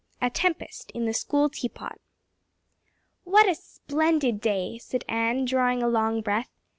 A Tempest in the School Teapot WHAT a splendid day!" said Anne, drawing a long breath.